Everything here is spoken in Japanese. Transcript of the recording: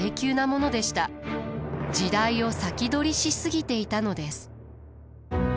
時代を先取りし過ぎていたのです。